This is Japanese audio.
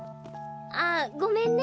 あっごめんね。